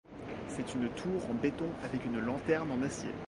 C'est une tour en béton avec une lanterne en acier.